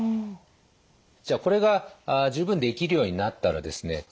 じゃあこれが十分できるようになったらですね